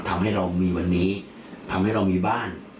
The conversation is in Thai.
ทำให้เรามีวันนี้ทำให้เรามีบ้าน